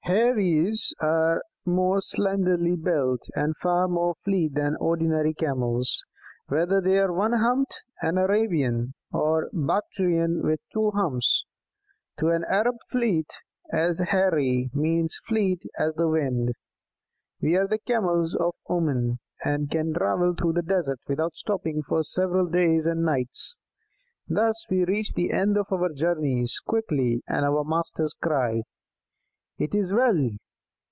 Heiries are more slenderly built and far more fleet than ordinary Camels, whether they are one humped and Arabian, or Bactrian, with two humps. To an Arab 'Fleet as the Heirie' means 'fleet as the wind.' We are the Camels of Oman, and can travel through the desert without stopping for several days and nights. Thus we reach the end of our journeys quickly, and our masters cry: 'It is well!'